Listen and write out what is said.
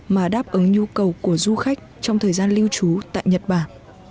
mà đáp ứng nhu cầu của du khách trong thời gian lưu trú tại nhật bản